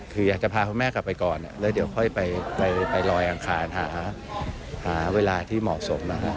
คืออยากจะพาคุณแม่กลับไปก่อนแล้วเดี๋ยวค่อยไปลอยอังคารหาเวลาที่เหมาะสมนะฮะ